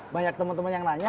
banyak temen temen yang nanya